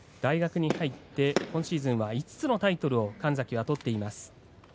大学に入って今シーズンは５つのタイトルを取っています。